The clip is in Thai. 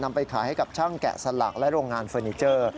ไปขายให้กับช่างแกะสลักและโรงงานเฟอร์นิเจอร์